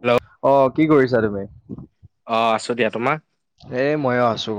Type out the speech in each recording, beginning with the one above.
Hello অ কি কৰিছা তুমি অ আছো দিয়া তোমাৰ এ মইয়ো আছো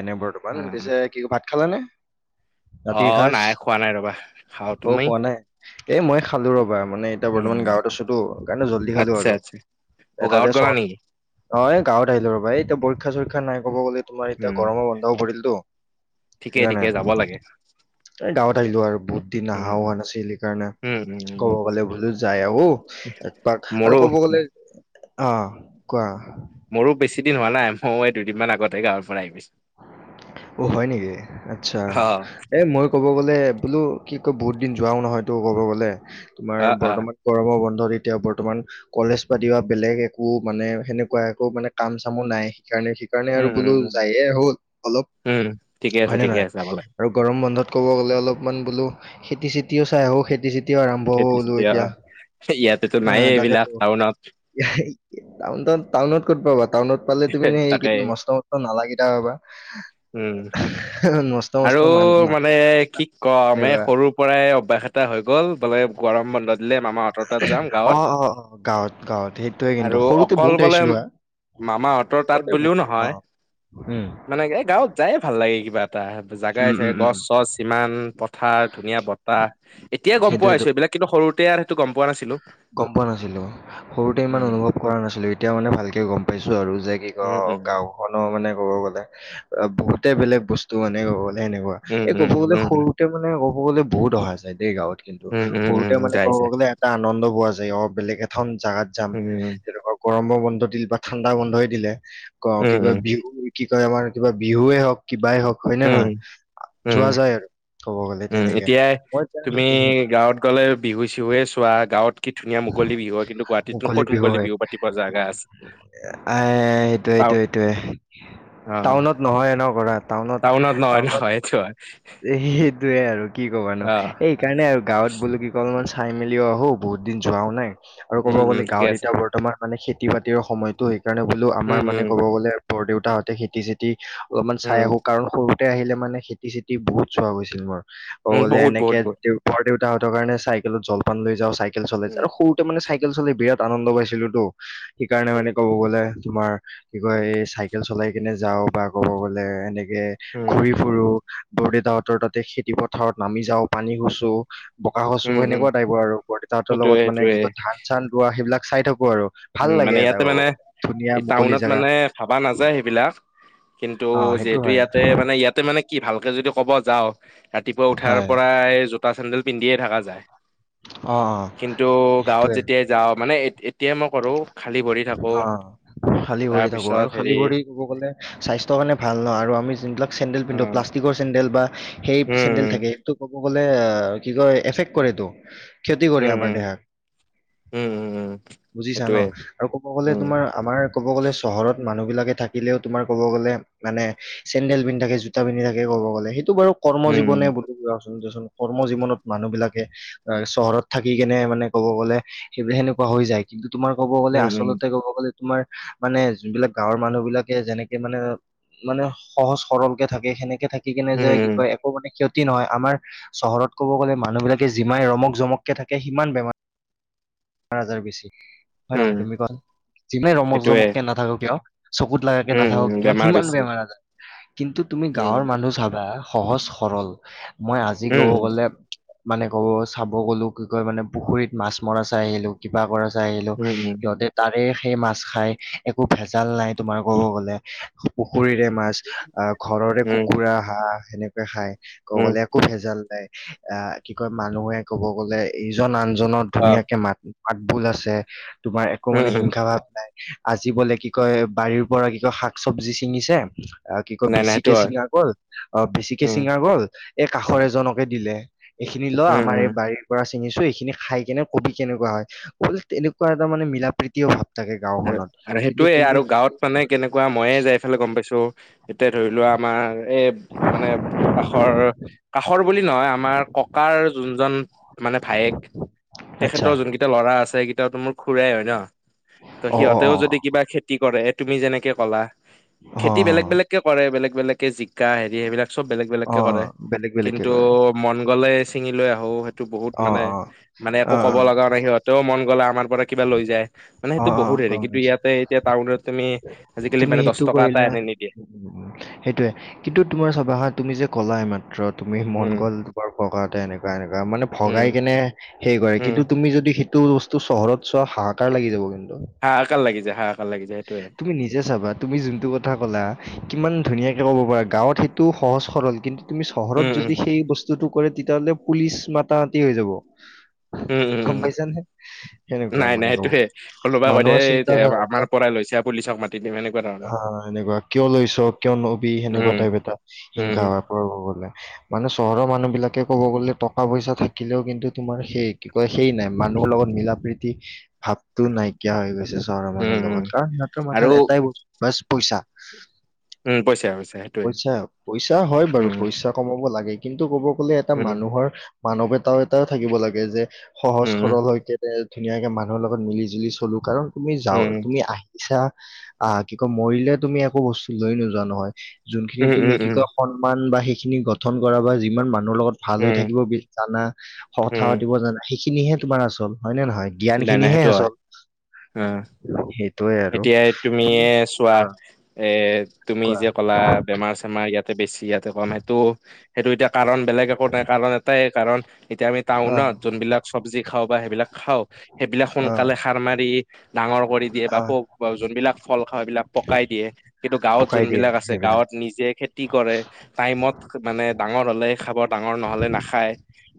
এনে বৰ্তমান অ পিছে কি ভাত খালানে অ ৰাতিৰ সাজ নাই খোৱা নাই ৰবা খাও অ তুমি খোৱা নাই এ মই খালো ৰবা মানে এতিয়া উম বৰ্তমান উম, গাঁৱত আছোতো সৈইকাৰণে জল্দি খালো আচ্ছা আৰু আচ্ছা অ গাঁৱত এটাতে গ'লা নেকি চহৰত অ এই গাঁৱত আহিলো ৰ'বা এই এতিয়া পৰীক্ষা চৰীক্ষা নাই কব গ'লে তোমাৰ এতিয়া উম গৰমো বন্ধ হৈ পৰিলতো ঠিকেই ঠিকে যাব লাগে এ গাঁৱত আহিলো আৰু বহুত দিন উম অহা হোৱা নাছিল সেইকাৰণে উম উম উম ক'ব উম, গ'লে বোলো যাই আহো এক পাক মোৰো আৰু ক'ব গ'লে অ কোৱা মোৰো বেছি দিন হোৱা নাই মইয়ো এই দুদিনমান আগতে গাঁৱৰ পৰা আহিছো অ হয় নেকি আচ্ছা অ এ মই ক'ব গলে বলে বোলো কি কয় বহুত দিন যোৱাও নহয় তো ক'ব গ'লে তোমাৰ অ অ বৰ্তমান গৰম বন্ধ মৰ এতিয়া বৰ্তমান কলেজ পাতিও বেলেগ একো মানে সেনেকুৱা একো মানে কাম চামো নাই সেইকাৰণে সেইকাৰণে উম আৰু উম বোলো উম যায় হল অলপ উম ঠিকে আছে হয় নে ঠিকে নহয় আছে যাব লাগে আৰু গৰম বন্ধত কব গলে অলপ মান বোলো খেতি চেতিও চাই আহো খেতি চেতিও আৰম্ভ হব খেতি বোলো চেতি অ এতিয়া ইয়াতেতো নায়ে আহ এইবিলাক তাকেটো টাউনত টাউনত কত পাবা টাউনত পালে তুমি তাকে এইকেইদিন মস্ত মস্ত নালা গীতা পাবা উম মস্ত মস্ত আৰু মান মানে নালাকেইটা কি কম এই তেনেকুৱা। সৰুৰ পৰাই অভ্যাস এটা হৈ গ'ল বোলে গৰম বন্ধ কেলেৰে মামাহঁতৰ তাত যাম গাঁৱত অ অ অ গাঁৱত গাঁৱত সেইটোৱে কিন্তু আৰু সৰুতে অকল বহুত বোলে আহিছিলো আ মামাহঁতৰ তাত বুলিও নহয় উম মানে এই গাঁৱত যায়ে ভাল লাগে কিবা এ টা জাগাই উম উম চাগে উম গছ চছ ইমান প থাৰ ধুনীয়া বতাহ এতিয়াই গম পোৱা সেইটোয়েতো হৈছো এইবিলাক কিন্তু সৰুতে সেইটো গম পোৱা নাছিলো গম পোৱা নাছিলো সৰুতে ইমান উম অনুভৱ কৰা নাছিলো এতিয়া মানে ভালকে গম পাইছো আৰু যে কি ক উম উম গাওঁখনৰ মানে ক'ব গলে বহুতে বেলেগ বস্তু মানে ক'ব গলে এনেকোৱা উম এই উম ক'ব গ'লে উম সৰুতে মানে ক'ব গলে বহুত অহা যায় দেই গাঁৱত কিন্তু উম উম সৰুতে উম মানে যাই ক'ব যাই গ'লে এটা আনন্দ পোৱা যায় অ বেলেগ এখন জাগাত যাম উম তেনেকোৱা গৰম বন্ধ দিল বা ঠাণ্ডা বন্ধই দিলে অ উম কি উম কয় বিহু কি কয় আমাৰ কিবা বিহুৱে হওক কিবাই হওঁক হয় নে উম নহয় যোৱা উম যায় আৰু ক'ব গ'লে উম তেনেকে। এতিয়া মই এতিয়া তুমি ইন- গাঁৱত গ'লে বিহু চিহুৱে চোৱা গাঁৱত কি ধুনীয়া মুকলি বিহু হয়, কিন্তু গুৱাহাটীত নো ক'ত মুকলি বিহু পাতিব জেগা আছে। সেইটোয়ে, অ টাউনত নহয় ন গ টাউনত নহয় টাউনত, নহয় এইটো হয় সেইটোৱে আৰু। কি ক'বা নো অ এইকাৰণে আৰু গাঁৱত বোলো কি অলমান চাই মেলিও আহো, বহুত দিন যোৱাও নাই। আৰু ক'ব উম উম গ'লে ঠিকে গাঁৱত আছে এতিয়া বৰ্তমান মানে খেতি বাতিৰ সময়তো সেইকাৰণে বোলো আমাৰ উম, মানে উম, কব গলে বৰ দেউতাহঁতে খেতি চেতি অলপমান চাই উম, আহো, কাৰণ সৰু তে আহিলে মানে খেতি চেতি বহুত চোৱা গৈছিল মোৰ, কৱলে উম, আহিলে বহুত, বহুত, এনেকে বহুত দিও ওপত দেউতাহঁতৰ কাৰনে চাইকেলত জলপান লৈ যাওঁ, চাইকেল চলাই যাওঁ উম, আৰু সৰুতে মানে চাই চাইকেল চলাই বিৰাট আনন্দ পাইছিলো ত, সেইকাৰণে মানে ক'ব গ'লে তোমাৰ কি কয় এই চাইকেল চলাই কেনে যাও বা ক'ব গ'লে এনে ঘূৰি ফুুৰো বৰদেউতাহঁতৰ তাতে খেতি পথাৰত নামি যাও, পানী খচো বকা খচু উম, উম, সেনেকোৱ টাইপৰ আৰু বৰদেউতা হেঁতৰ লগত সেইটোয়ে, মানে সেইটোয়ে কিবা ধান চান ৰোৱা সেইবিলাক চাই থাকো। আৰু ভাল উম লাগে মানে এটা ইয়াতে ক'ব মানে গ'লে ধুনীয়া এই মুকলি টাউনত জাগা মানে চাবা নাযায় সেইবিলাক। কিন্তু অ সেইটো যিহেতু হয় ইয়াতে মানে ইয়াতে মানে কি ভালকে যদি ক'ব যাওঁ ৰাতিপুৱা উঠাৰ হয় পৰাই জোতা চেন্দেল পিন্ধিয়ে থকা যায়। অ অ কিন্তু গাঁৱত সেইটোৱে যেতিয়াই যাওঁ, মানে এতিয়াই মই কৰো খালি কৰি থাকো। অ খালী ভৰি থাকো আৰু তাৰপিছত হেৰি খালী ভৰি কবগলে স্বাস্থৰ কাৰণে ভাল নহ আৰু আমি যোনবিলাক চেণ্ডেল অ পিন্ধো পাষ্টি কৰ চেণ্ডেল বা সেই উম, চেণ্ডেল উম, থাকে সেইটো ক'ব গলে কি কয় এফেক্ট কৰেতো। ক্ষতি কৰি উম, আমাৰ উম, দেহাক। উম, উম, উম, বুজিছা ন সেইটোৱে আৰু ক'ব গ'লে উম, তোমাৰ আমাৰ ক'ব গলে চহৰত মানুহ বিলাকে থাকিলেও তোমাৰ ক'ব গলে মানে চেণ্ডেল পিন্ধি থাকে, জোতা পিন্ধি থাকে ক'ব গ'লে। এইটো বাৰু কৰ্ম জীৱনে উম, বুলি কোৱাচোন দিয়াচোন, কৰ্ম জীৱনত মানুহবিলাক চহৰত থাকি কেনে মানে কব গ'লে সেইবিলাক সেনেকোৱা হৈ যায়। কিন্তু তোমাৰ ক'ব গ'লে, উম, উম, আচলতে ক'ব গ'লে তোমাৰ মানে যোনবিলাক গাঁৱৰ মানুহ বিলাকে যেনেকে মানে মানে সহজ সৰল কে থাকে, সেনেকে থাকি কেনে উম, যে কি উম, কয় একো মানে কি হল টি নহয় আমাৰ চহৰত ক'ব গ'লে মানুহ বিলাকে যিমান ৰমক জমককে থাকে, সিমান বেমাৰ পাছ হাজাৰ বেছি হয় নহয় উম, তুমি কোৱাচোন, যিমানে ৰমক সেইটোয়ে জমককে নাথাকক কিয় চকুত লগাকে উম, উম, নাথাকক কিয় বেমাৰ সিমান বেছি। বেমাৰ আজাৰ কিন্তু তুমি উম গাঁৱৰ মানুহ চাবা সহজ সৰল, মই আজি উম ক'ব গলে মানে ক'ব চাব গ'লো কি কয় মানে পুখুৰীত মাছ মৰা চাই আহিলো, কিবা কৰা চাই আহিলো, উম উম সিহঁতে তাৰে সেই মাছ খাই, একো ভেজাল নাই তোমাৰ ক'ব গ'লে পুখুৰীৰে মাছ। আহ ঘৰৰে উম কুকুৰা, হাঁহ, সেনেকোৱা খাই কব উম গলে একো ভেজাল নাই। আহ কি কয় মানুহে কব গ'লে ইজন আনজনৰ অ ধুনীয়া মাতবোল আছে, তোমাৰ একো উম মানে উম হিংসা ভাৱ নাই। আজি বোলে কি কয় বাৰীৰ পৰা কি কয় শাক চবজি ছিঙিছে, অ কি কয় নাই নাই সেইটো বেছিকে হয় চিঙা গল অ বেছিকে উম চিঙা গল এই কাষৰ এজনকে দিলে। এইখিনি ল উম আমাৰ উম এই বাৰীৰ পৰা চিঙিছো, এইখিনি খাই কেনে- কবি কেনেকুৱা হয়, মই বুলো তেনেকুৱা এটা মানে মিলা প্ৰীতিৰ ভাৱ। থাকে আৰু গাওখনত আৰু কিন্তু সেইটোয়ে তুমি আৰু সেইটো গাঁৱত মানে কেনেকুৱা মই যাইফালে গম পাইছো। এতিয়া ধৰি লোৱা আমাৰ এই মানে কাষৰ কাষৰ বুলি নহয় আমাৰ- ককাৰ যোনজন মানে ভায়েক, আচ্ছা তেখেতৰ যোন কেইটা ল'ৰা আছে। সেইকেইটাতো মোৰ খুৰাই হয় ন। ত অ অ অ অ সিহঁতেও যদি কিবা খেতি কৰে তুমি যেনেকে কলা। অ খেতি বেলেগ বেলেগকে কৰে, বেলেগ বেলেগকে জি কা হেৰি সেইবিলাক চব বেলেগ অ অ, বেলেগকে কৰে, বেলেগ বেলেগকে কিন্তু কৰে মন গ'লে চিঙি লৈ আহো সেইটো বহুত অ মানে অ মানে একো অ অ ক'ব লগা নাই, সিহঁতেও মন গ'লে আমাৰ পৰা। কিবা লৈ যায়। মানে অ সেইটো অ অ বহুত হেৰি গম কিন্তু পাইছো, ইয়াতে এতিয়া টাউনত তুমি আজিকালি তুমি মানে দহ সেইটো টকা এটা কৰিলা। এনে নিদিয়ে সেইটোয়ে কিন্তু তোমাৰ চাবা তুমি যে কলাই মাত্ৰ তুমি মন উম গ'ল তোমাৰ পগাতে এনেকুৱা এনেকুৱা মানে ভগাই উম কেনে- সেই কৰে কিন্তু উম তুমি যদি সেইটো বস্তু চহৰত চোৱা হাহাকাৰ লাগি যাব কিন্তু হাহাকাৰ লাগি যায় হা- তুমি নিজে চাবা তুমি যোনটো কথা ক'লা কিমান ধুনীয়া। ক'ব পাৰা গাঁৱত সেইটো সহজ সৰল কিন্তু তুমি চহৰত উম উম যদি সেই বস্তুটো। কৰে তেতিয়াহ'লে পুলিচ মাতা মাতি হৈ যাব উম উম গম উম পাইছা নে নাই নাই সেইটোয়ে কোনোবাই কৈ দে এই চিন্তাধাৰা আমাৰ পৰাই লৈছে পুলিচক মাতি দিম এনেকুৱা ধৰণৰ কুৱ কিয় লৈছ কিয় নবি সেনেকুৱা উম টাইপ এটা হিংসা উম হয় গলে মানে চহৰৰ মানুহ বিলাক- তাকে ক'ব গ'লে টকা পইচা থাকিলেও কিন্তু তোমাৰ সেই কি কয় সেই নাই মানুহৰ লগত মিলা প্ৰীতি ভাৱটো নাইকিয়া হৈ গৈছে চহৰৰ মানুহৰ উম উম লগত কাৰণ সিহঁতৰ আৰু মাথাত এটাই বস্তু পইচা উম পইচা পইচা সেইটোয়ে পইচা হয় বাৰু উম পইচা কমাব লাগে। কিন্তু ক'ব গ'লে এটা মানুহৰ মানৱতাও এটা থাকিব লাগে যে- সহজ সৰল হৈকিনে ধুনীয়াকে মানুহৰ লগত মিলি জুলি চলো কাৰণ তুমি যাও তুমি আহিছা আহ কি কয় মৰিলে তুমি একো বস্তু লৈ নোযোৱা নহয়। যোনখিনি তুমি কি কয় সন্মান বা সেইখিনি গঠন কৰা বা যিমান মানুহ মানুহৰ লগত ভাল হৈ থাকিব বি জানা কথা পাতিব জানা সেইখিনি হে তোমাৰ আচল হয়ে নে নহয়। জ্ঞান নাই নাই খিনিহে সেইটো আৰু আচল উ- সেইটোয়ে আৰু এতিয়া তুমি তুমিএ চোৱা অ এ তুমি কোৱা যে ক'লা বেমাৰ চেমাৰ ইয়াতে বেছি। য়াতে কম সেইটো সেইটো এতিয়া কাৰণ বেলেগ একো নাই কাৰণ এটাই কাৰণ- এতিয়া আমি অ টাউনত যোনবিলাক চব্জি খাওঁ বা সেইবিলাক খাওঁ সেইবিলাক অ সোনকালে সাৰ মাৰি। ডাঙৰ কৰি দিয়ে বা অ পোক যোনবিলাক ফল খাওঁ সেবিলাক পকাই দিয়ে। কিন্তু গাঁৱত পকাই দিয়ে যোনবিলাক আছে সেইবিলাক গাঁৱত নিজে খেতি কৰে টাইমত- মানে ডাঙৰ হলে খাব ডাঙৰ নহলে নাখায়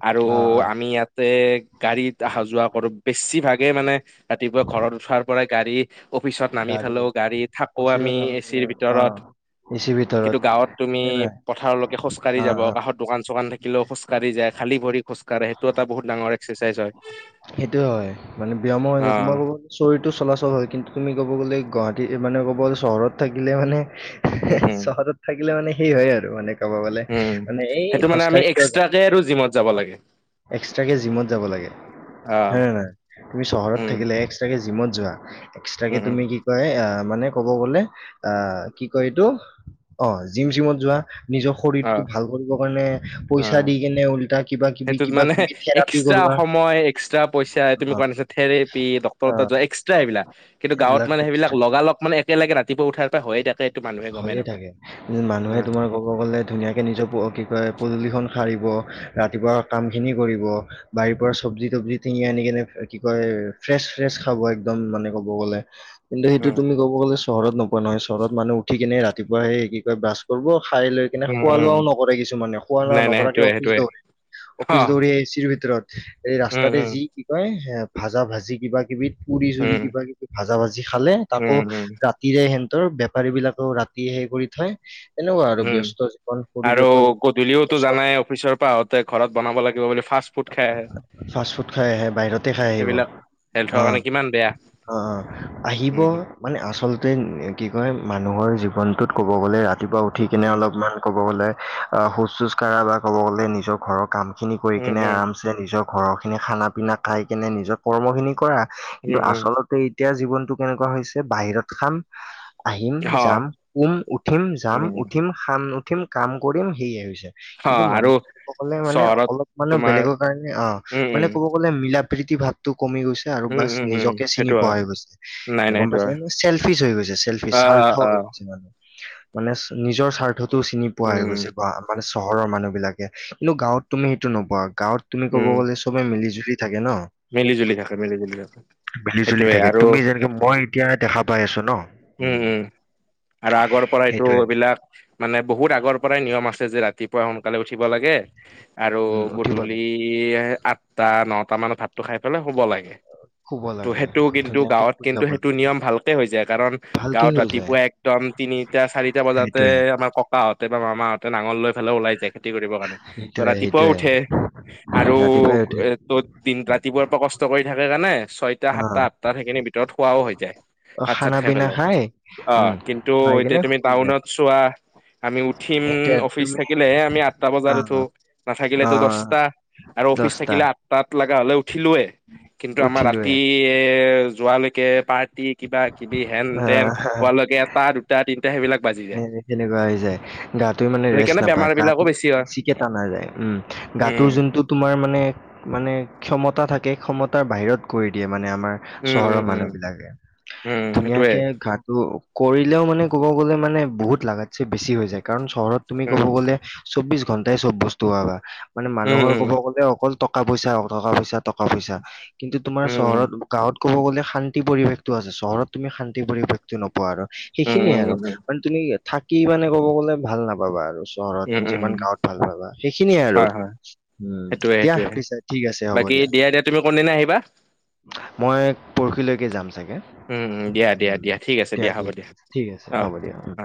আৰু অ অ আমি ইয়াতে- গাড়ীত অহা যোৱা কৰো বেছি ভাগে মানে ৰাতিপুৱা ঘৰত উঠাৰ পৰা গাড়ী- অফিচত নামি পালো গাড়ী থাকো আমি অচিয়ত এ নামিলে চিৰ অ ভিতৰত- এচি ভিতৰত কিন্তু গাঁৱত তুমি হয়নে নহয় পথাৰলৈকে খোজ কাঢ়ি অ যাব অ কাষত দোকান চোকান থাকিলেও খোজ কঢ়া- খোজকাঢ়ি যায়। খালি ভৰি খোজকাঢ়ে সেইটো এটা বহুত ডাঙৰ একসাৰচাইজ হয়। সেইটোয়ে হয় মানে ব্যয়ামো হৈ অ য তোমাৰ ক'ব শৰীৰটো চলাচল হয়। কিন্তু- তুমি ক'ব গ'লে গুৱাহাটীত মানে ক'ব গ' চহৰত থাকিলে মানে উম উম চহৰত থাকিলে মানে- সেই হয় আৰু মানে ক'ব গ'লে উম মানে এই সেইটো মানে আমি খোজকাঢ়ি কিয় জাম এক্সট্ৰাকে আৰু জিমত যাব অ লাগে এক্সট্ৰাকে জিমত যাব লাগে। অ হ তুমি চহৰত উম থাকিলে এক্সট্ৰাকে জিমত যোৱা এক্সট্ৰাকে উম উম তুমি কি কয় অঁ মানে ক'ব গলে আহ কি কয় এইটো- অ জিম চিমত যোৱা নিজৰ অ শৰীৰটো ভাল কৰিবৰ কাৰণে অ পইচা দি কেনে উল্টা কিবা কিবি সেইটোত কিবা মানে কিবি থেৰাপি এক্সট্ৰা কৰোৱা সময় এক্সট্ৰা পইচা তুমি অ কৰা নিছিনা থেৰেপি অ ডক্তৰ তাত যোৱা এক্সট্ৰা সেইবিলাক কিন্তু এইবিলাক গাঁৱত মানে সেইবিলাক লগালগ মানে একেলগে ৰাতিপুৱা উঠাৰ পা হয়ে তাকে এইটো মানুহে গমেই হৈয়ে নাপায় থাকে মানুহে হ- তোমাৰ ক'ব গ'লে ধুনীয়াকে হ। কি কয় পদূলি খন সাৰিব ৰাতিপুৱা কাম খিনি কৰিব [unintelligible] ব্লি টিঙে আনি কেনে কি কয় ফ্ৰেচ-ফ্ৰেচ খাব একদম মানে ক'ব গলে কিন্তু সেইটো তুমি উম ক'ব গ'লে চহৰত নোপোৱা নহয় চহৰত মানুহ উঠি কেনে ৰাতিপুৱা সে কি কয় ব্ৰাছ কৰব খাই লৈ কিনে উম খোৱা উম -লোৱাও নকৰে কিছুমানে খোৱা -লোৱা নাই নাই নকৰাকে সেইটোয়ে অফিচ সেইটোয়ে দৌৰে। অ অফিচ দৌৰি এচিৰ ভিতৰত উম তাতে উম যি কি কয় এ ভাজা- ভাজি, কিবা- কিবি, পুৰি -চুৰি, উম কিবা -কিবি, ভাজা - ভাজি আজি খালে উম তাকো উম ৰাতিৰে সিহঁতৰ বেপাৰী বিলাকেও ৰাতি হেই কৰি থয়। তেনেকুৱা আৰু উম, ব্যস্ত জীৱন আৰু শৰীৰতো গধূলিওতো কষ্ট জানাই অফিচৰ পৰা আহোতে ঘৰত বনাব লাগিব বুলি ফা ফাষ্ট -ফুড খাই আহে। ফাষ্ট -ফুড খাই আহে বাহিৰতে খাই আহিব, সেইবিলাক হেল্থৰ অহ। কাৰণে কিমান বেয়া অহ, আহিব উম মানে আচলতে কি কয় মানুহৰ জীৱনটোত ক'ব গ'লে ৰাতিপুৱা উঠিকনে উম অলপমান ক'ব গ'লে খোজ -চুজ কাঢ়া বা ক'ব গ'লে নিজৰ ঘৰৰ কাম খিনি কৰি উম কিনে আৰামছে নিজৰ ঘৰৰ খিনি খানা- পিনা খাই কেনে নিজৰ কৰ্ম খিনি কৰা কিন্তু উম উম উম আচলতে এতিয়া জীৱনটো কেনেকুৱা হৈছে বাহিৰত খাম আহিম অ যাম, শুম উঠিম, যাম উম উঠিম, খাম উঠিম, কাম কৰিম সেয়াই হৈছে। অ কিন্তু, আৰু মানুহ কবলে মানে চহৰত অলপ মানে তোমাৰ বেলেগৰ কাৰণে উম অ'মানে উম ক'ব গলে মিল প্ৰীতি ভাবতোক কমি গৈছে আৰু উম বচ উম উম নিজকে চিনি সেইটো পোৱা হয় হৈ গৈছে নাই হয় নাই গম সেইটো পাইছানেনে চেলফিছ হৈ গৈছে চেলফিছ অ হা অ অ [unintelligible] নিজৰ স্বাৰ্থটো চিনি পোৱা হৈ উম গৈছে বা মানে চহৰৰ মানুহ বিলাকে কিন্তু গাঁৱত তুমি সেইটো নোপোৱা গাঁৱত তুমি ক'ব উম গ'লে চবে মিলি- জুলি থাকে ন' মিলি জুলি থাকে মিলি জুলি থাকে [inaudible] মিলি -জুলি সেইটোয়ে থাকে আৰু তুমি যেনেকে মই এতিয়া দেখা পাই আছো ন', উম- উম আৰু আগৰ পৰাই এইটো সেইটোয়ে এইবিলাক মানে বহুত আগৰ পৰাই নিয়ম আছে যে ৰাতি পুৱা সোনকালে উঠিব লাগে আৰু উম উঠিব গধূলি লাগে। আট আটতা, নটা মানত ভাতটো খাই পেলাই শুব লাগে শুব ত' লাগে, সেইটো কিন্তু ধুনীয়াকে গাঁৱত শুই কিন্তু যাব সেইটো লাগে, নিয়ম ভালকে হৈ যায় কাৰণ ভালকে গাঁৱত হৈ যায়, ৰাতিপুৱা একদম তিনিটা- চাৰিটা বজাতে সেইটোয়ে, আমাৰ ককাহঁতে বা মামাহঁতে নাম নাঙল লৈ পেলাই ওলাই যায় খেতি কৰিবৰ কাৰণে ত সেইটোয়ে, 'ৰাতিপুৱাও সেইটোয়ে, উঠে আৰু ৰাতিপুৱাই উঠে, এ'তত তিন তাত ৰাতিপুৱাৰ পৰা কষ্ট কৰি থাকে কাৰণে ছয়টা, সাতটা, আঠটাত সেইখিনি ভিতৰত খোৱাও হৈ যায়। অহ, ভাত চাত খানা- খাই পেলাই পিনা খাই, উম, অ', কিন্তু খাই কিনে এতিয়া তুমি শুই যায়, টাউনত চোৱা আমি উঠিম এতিয়া অফিচ তুমি, থাকিলেহে আমি আঠটা বজাত উঠো অ', নাথাকিলেতো অ', দচটা অফিচ দহটা, থাকিলে আঠটাত লাগা হ'লে উঠিলোঁৱে কিন্তু আমাৰ উঠিলোয়ে, ৰাতি এ যোৱালৈকে পাৰ্টি কিবা -কিবি, হেন- তেন অ', হোৱালৈকে এটা -দুটা - তিনটা সেনেকুৱা হৈ যায় গাটো মানে ৰেষ্ট সেইকাৰণে নাপায় বেমাৰ বিলাকো গাটো বেছি হয় বেছিকে টানা যায় উম গাটোৰ উম যোনটো তোমাৰ মানে -মানে ক্ষমতা থাকে ক্ষমতাৰ বাহিৰত কৰি দিয়ে মানে আমাৰ উম চহৰৰ মানুহ উম বিলাকে উম উম সেইটোৱে ধুনীয়াকে ঘাটো কৰিলেও মানে ক'ব গলে মানে মানে বহুত লাগাতচে বেছি হৈ য়ায় কাৰণ চহৰত উম ক'ব গ'লে চৌব্বিচ ঘন্টাই চব বস্তু পাবা মানে উম মানুহৰ ক'ব গ'লে অকল টকা- পইচা অ' টকা- পইচা, টকা -পইচা কিন্তু তোমাৰ উম উম চহৰত, গাঁৱত ক'ব গ'লে শান্তি পৰিৱেশটো আছে চহৰত তুমি শান্তি পৰিৱেশটো নোপোৱা আৰু উম উম সেইখিনিয়ে উম উম আৰু উম মানে তুমি থাকি মানে ক'ব গ'লে ভাল নাপাবা আৰু চহৰত উম উম যিমান গাঁৱত ভাল পাবা সেইখিনিয়ে আৰু হয় হয় উম দিয়া পিছে ঠিক আছে হ'ব। কি দিয়া- দিয়া তুমি কোন দিনা আহিবা? মই পৰহিলৈকে যাম চাগে। দিয়া দিয়া উম দিয়া ঠিক আছে দিয়য়া দিয়া হ'ব দিয়া ঠিক ঠিক আছে অ', হ'ব দিয়া উ- অ'।